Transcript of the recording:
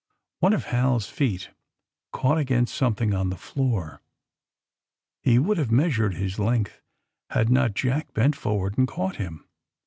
One of Hal's feet caught against something on the floor. He would have measured his length had not eJack bent forward and caught him.